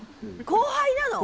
後輩なの？